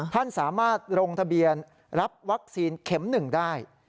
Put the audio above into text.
ท่านสามารถลงทะเบียนรับวัคซีนเข็ม๑ได้